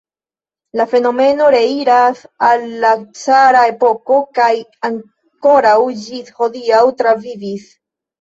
La fenomeno reiras al la cara epoko kaj ankoraŭ ĝis hodiaŭ travivis.